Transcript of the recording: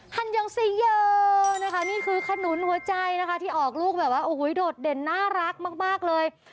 ฮันยองซีเยอร์นี่คือขนุนหัวใจที่ออกลูกแบบว่าโดดเด่นน่ารักมากเลย